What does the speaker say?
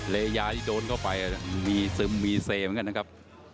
ยาที่โดนเข้าไปมีซึมมีเซเหมือนกันนะครับ